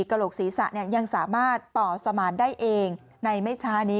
กระโหลกศีรษะยังสามารถต่อสมานได้เองในไม่ช้านี้